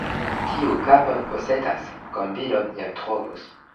Kiu kapon posedas, kombilon jam trovos.